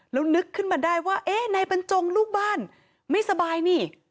แล้วนึกขึ้นมาได้ว่าเอ๊ะนายบรรจงลูกบ้านไม่สบายนี่